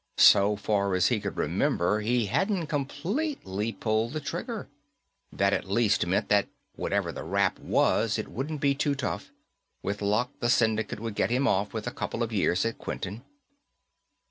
So far as he could remember, he hadn't completely pulled the trigger. That at least meant that whatever the rap was it wouldn't be too tough. With luck, the syndicate would get him off with a couple of years at Quentin.